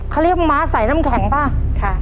เขาเรียกม้าใส่น้ำแข็งป่ะ